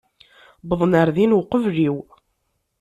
Wwḍen ɣer din uqbel-iw.